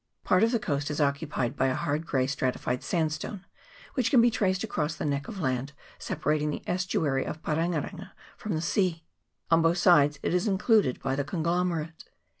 Part of the coast is occupied by a hard grey stratified sandstone, which can be traced across the neck of land separating the estuary of Parenga renga from the sea. On both sides it is included by the conglomerate.